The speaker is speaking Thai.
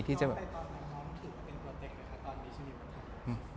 น้องใจตอนนั้นน้องถือว่าเป็นตัวเด็กเลยค่ะตอนนี้ชีวิตมันคือ